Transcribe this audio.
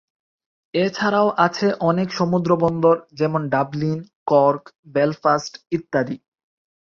এছাড়াও আছে অনেক সমুদ্রবন্দর, যেমন ডাবলিন, কর্ক, বেলফাস্ট, ইত্যাদি।